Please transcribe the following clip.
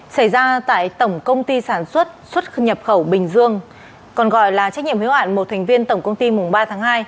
xảy ra tại tổng công ty sản xuất xuất nhập khẩu bình dương còn gọi là trách nhiệm hiếu hạn một thành viên tổng công ty mùng ba tháng hai